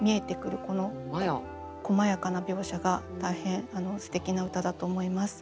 この細やかな描写が大変すてきな歌だと思います。